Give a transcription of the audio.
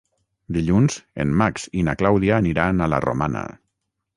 Dilluns en Max i na Clàudia aniran a la Romana.